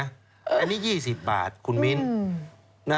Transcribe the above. อันนี้๒๐บาทคุณมิ้น